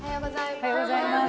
おはようございます。